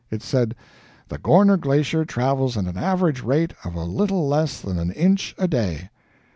It said, "The Gorner Glacier travels at an average rate of a little less than an inch a day."